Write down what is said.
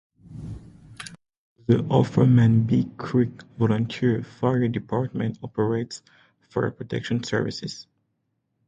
The Offerman Big Creek Volunteer Fire Department operates fire protection services.